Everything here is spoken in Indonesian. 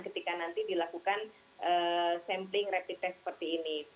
jadi nanti dilakukan sampling rapid test seperti ini